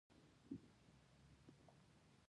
افغانستان د ژبو په برخه کې نړیوال شهرت لري.